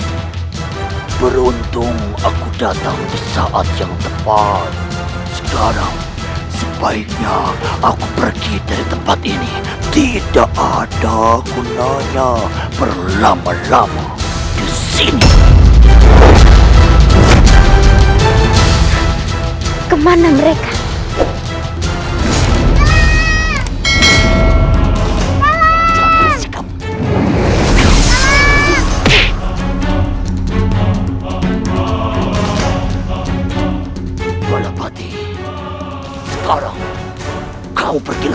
hai beruntung aku datang di saat yang tepat sekarang sebaiknya aku pergi dari tempat ini tidak ada gunanya berlama lama di sini